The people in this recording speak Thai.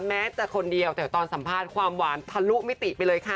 แม้จะคนเดียวแต่ตอนสัมภาษณ์ความหวานทะลุมิติไปเลยค่ะ